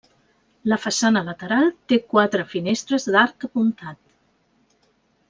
La façana lateral té quatre finestres d'arc apuntat.